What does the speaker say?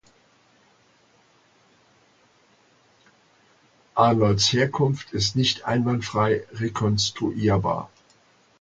Arnolds Herkunft ist nicht einwandfrei rekonstruierbar.